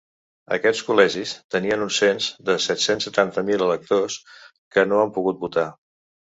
Aquests col·legis tenien un cens de set-cents setanta mil electors, que no han pogut votar.